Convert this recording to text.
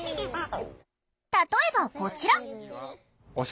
例えばこちら！